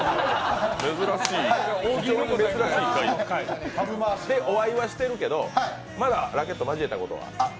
珍しい、で、お会いはしてるけどまだラケットを交えたことは？